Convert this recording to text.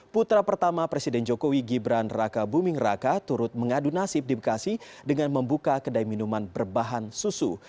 putra pertama presiden jokowi gibran raka buming raka turut mengadu nasib di bekasi dengan membuka kedai minuman berbahan susu